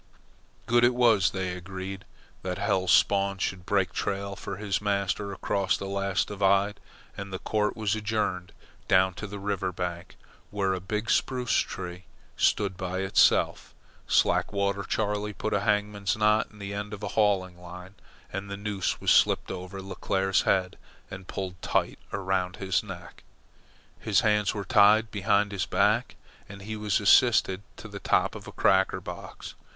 Good it was, they agreed, that Hell's Spawn should break trail for his master across the last divide, and the court was adjourned down to the river bank, where a big spruce tree stood by itself. Slackwater Charley put a hangman's knot in the end of a hauling line, and the noose was slipped over Leclere's head and pulled tight around his neck. His hands were tied behind his back, and he was assisted to the top of a cracker box.